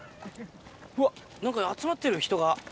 うわっ、なんか集まってる、人が。